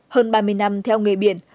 hơn ba mươi năm theo nghề biển